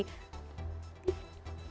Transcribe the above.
ya itu benar